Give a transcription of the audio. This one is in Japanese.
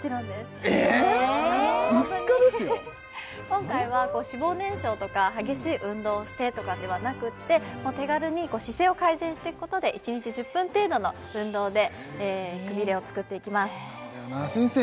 今回は脂肪燃焼とか激しい運動をしてとかではなくってもう手軽に姿勢を改善していくことで１日１０分程度の運動でくびれを作っていきます先生